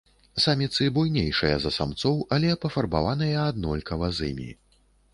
Саміцы буйнейшыя за самцоў, але пафарбаваныя аднолькава з імі.